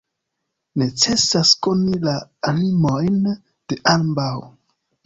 Necesas koni la animojn de ambaŭ.